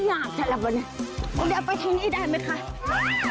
สำหรับวันนี้มันจะไปที่นี่ได้มั้ยค่ะ